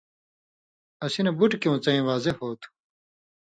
اسی نہ بُٹ کیوں څَیں واضِح ہو تُھو۔